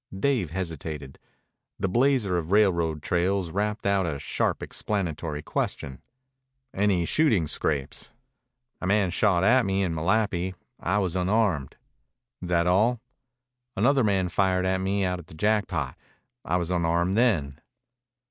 Dave hesitated. The blazer of railroad trails rapped out a sharp, explanatory question. "Any shooting scrapes?" "A man shot at me in Malapi. I was unarmed." "That all?" "Another man fired at me out at the Jackpot. I was unarmed then."